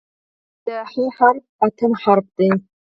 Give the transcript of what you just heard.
د "ح" حرف اتم حرف دی.